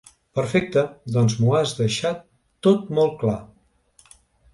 Perfecte, doncs m'ho has deixat tot molt clar.